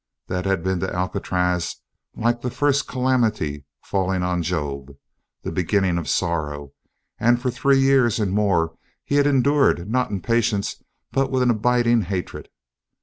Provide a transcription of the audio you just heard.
That had been to Alcatraz, like the first calamity falling on Job, the beginning of sorrow and for three years and more he had endured not in patience but with an abiding hatred.